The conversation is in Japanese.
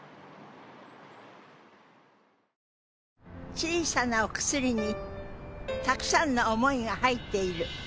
小さなお薬にたくさんの想いが入っている。